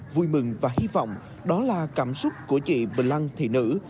vui mừng và hy vọng đó là cảm xúc của chị bình lăng thị nữ